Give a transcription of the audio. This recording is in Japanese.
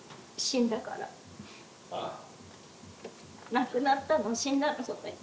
「亡くなったの死んだのその人」